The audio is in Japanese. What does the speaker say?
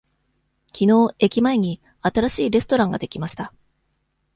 きのう駅前に新しいレストランができました。